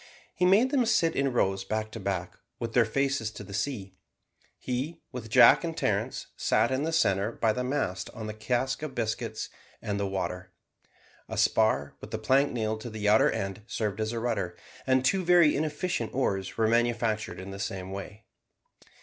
He made them sit in rows back to back, with their faces to the sea. He, with Jack and Terence, sat in the centre by the mast on the cask of biscuits and the water. A spar, with a plank nailed to the outer end, served as a rudder, and two very inefficient oars were manufactured in the same way.